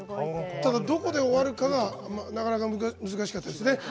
ただ、どこで終わるかがなかなか難しかったですね。